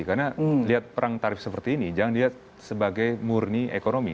karena lihat perang tarif seperti ini jangan dilihat sebagai murni ekonomi